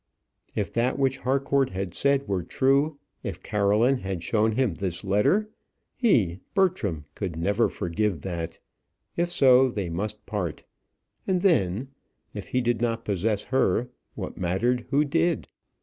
If that which Harcourt had said were true, if Caroline had shown him this letter, he, Bertram, could never forgive that! If so, they must part! And then, if he did not possess her, what mattered who did?